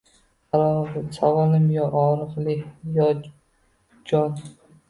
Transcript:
Savolim yo ogʼriqli, yo joʼn